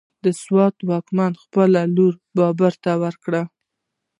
د سوات واکمن خپله لور بابر ته ورکړه،